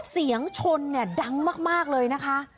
เสียงชนดังมากเลยนะคะ